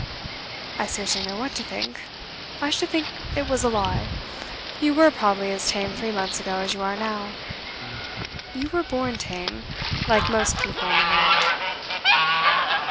"I scarcely know what to think. I should think it was a lie. You were probably as tame three months ago as you are now. You were born tame, like most people in the world."